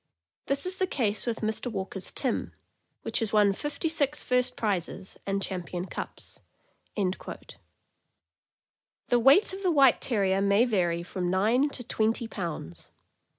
This is the case with Mr. Walker's Tim, which has won fifty six first prizes and champion cups. The weight of the White Terrier may vary from nine to twenty pounds.